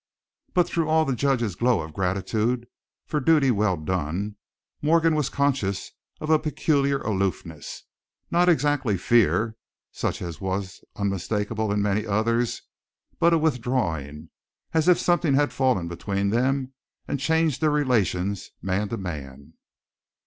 But through all the judge's glow of gratitude for duty well done, Morgan was conscious of a peculiar aloofness, not exactly fear such as was unmistakable in many others, but a withdrawing, as if something had fallen between them and changed their relations man to man.